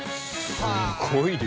すごい量。